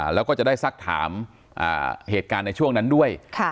แล้วก็จะได้สักถามเหตุการณ์ในช่วงนั้นด้วย